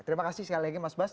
terima kasih sekali lagi mas bas